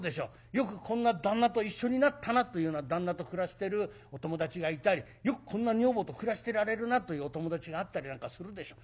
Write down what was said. よくこんな旦那と一緒になったなというような旦那と暮らしてるお友達がいたりよくこんな女房と暮らしてられるなというお友達があったりなんかするでしょう。